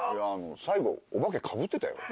最後お化けかぶってたよ？